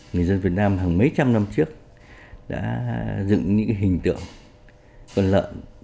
người dân việt nam hàng mấy trăm năm trước đã dựng những hình tượng con lợn